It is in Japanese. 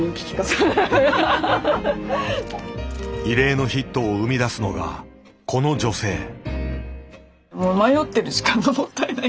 異例のヒットを生み出すのがこの女性。